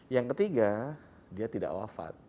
yang ketiga dia tidak wafat